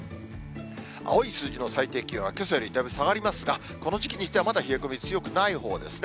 青い数字の最低気温はけさよりだいぶ下がりますが、この時期にしてはまだ冷え込み強くないほうですね。